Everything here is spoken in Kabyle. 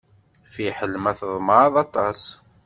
Fiḥel ma tḍemɛeḍ aṭas.